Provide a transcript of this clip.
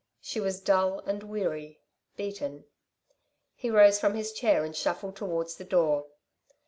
She was dull and weary beaten. He rose from his chair and shuffled towards the door.